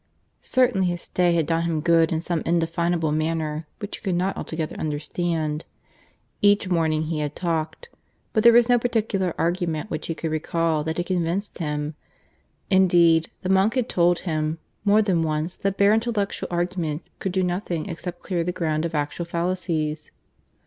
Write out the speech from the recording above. Certainly his stay had done him good in some indefinable manner which he could not altogether understand. Each morning he had talked; but there was no particular argument which he could recall that had convinced him. Indeed, the monk had told him more than once that bare intellectual argument could do nothing except clear the ground of actual fallacies.